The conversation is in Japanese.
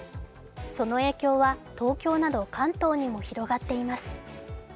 その影響は東京など関東にも広がっています。